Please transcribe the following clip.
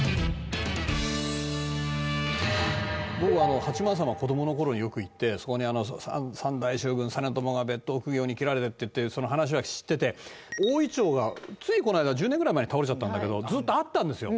僕八幡様子どもの頃によく行ってそこに３代将軍実朝が別当公暁に斬られてってその話は知ってて大銀杏がついこの間１０年ぐらい前に倒れちゃったんだけどずっとあったんですよ。